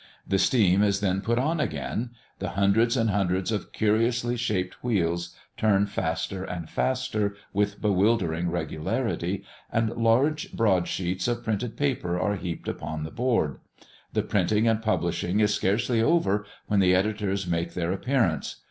The steam is then put on again; the hundreds and hundreds of curiously shaped wheels turn faster and faster, with bewildering regularity, and large broad sheets of printed paper are heaped upon the board. The printing and publishing is scarcely over when the editors make their appearance.